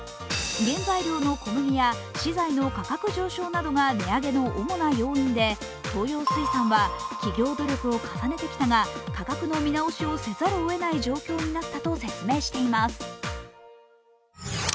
原材料の小麦や資材の価格上昇などが値上げの主な要因で、東洋水産は企業努力を重ねてきたが価格の見直しをせざるをえない状況になったと説明しています。